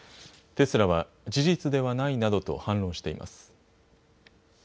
テスラは事実ではないなどと反論しています。